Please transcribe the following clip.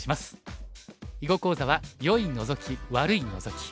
囲碁講座は「良いノゾキ悪いノゾキ」。